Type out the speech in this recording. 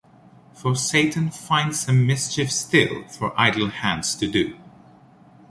For Satan finds some mischief still for idle hands to do.